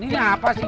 ini apa sih